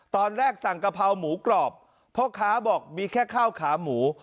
ตอนแรกสั่งกะเพราหมูกรอบพ่อค้าบอกมีแค่ข้าวขาหมู